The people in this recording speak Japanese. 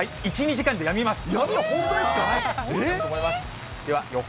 １、２時間でやみます。